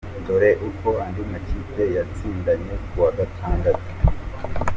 Dore uko andi makipe yatsindanye kuwa gatandatu:.